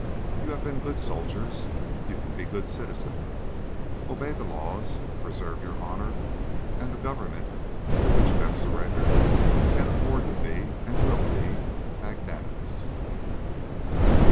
You have been good soldiers; you can be good citizens. Obey the laws, preserve your honor, and the Government to which you have surrendered can afford to be, and will be, magnanimous.